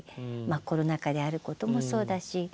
コロナ禍であることもそうだし